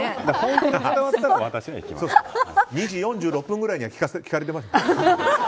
２時４６分ぐらいには聞かれてましたね。